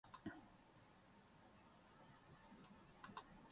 黒竜江省の省都はハルビンである